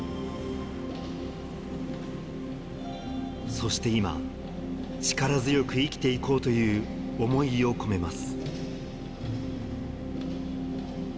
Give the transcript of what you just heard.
そして今、力強く生きていこうという想いを込めます。